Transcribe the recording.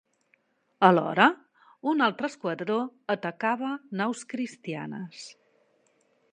Alhora, un altre esquadró atacava naus cristianes.